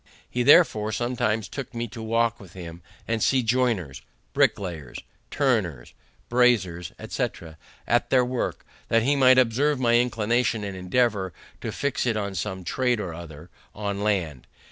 He therefore sometimes took me to walk with him, and see joiners, bricklayers, turners, braziers, etc., at their work, that he might observe my inclination, and endeavor to fix it on some trade or other on land.